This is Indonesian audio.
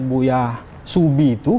buya subi itu